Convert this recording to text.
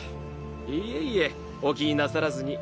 いえいえお気になさらずに。